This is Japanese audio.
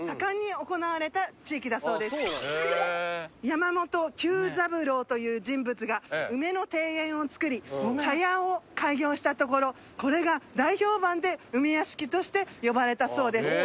山本久三郎という人物が梅の庭園を造り茶屋を開業したところこれが大評判で梅屋敷として呼ばれたそうです。